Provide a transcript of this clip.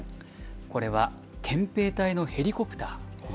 これは憲兵隊のヘリコプター。